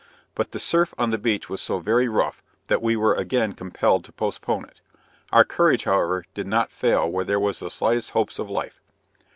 But the surf on the beach was so very rough, that we were again compelled to postpone it. Our courage, however, did not fail where there was the slightest hopes of life.